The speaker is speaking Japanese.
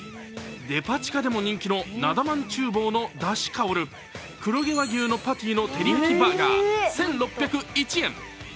デパ地下でも人気のなだ万厨房のだし香る黒毛和牛のパティのテリヤキバーガー、１６０１円。